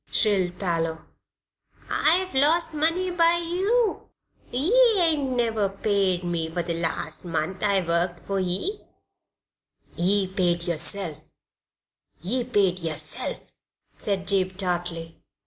shrilled Parloe. "I've lost money by you; ye ain't never paid me for the last month I worked for ye." "Ye paid yerself ye paid yerself," said Jabe, tartly.